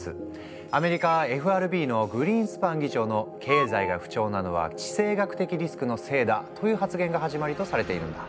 アメリカＦＲＢのグリーンスパン議長の「経済が不調なのは地政学的リスクのせいだ」という発言が始まりとされているんだ。